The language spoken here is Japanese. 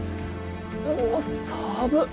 おお寒っ。